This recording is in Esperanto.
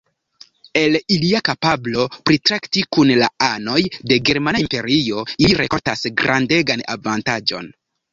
El ilia kapablo pritrakti kun la anoj de germana imperio, ili rikoltas grandegan avantaĝon.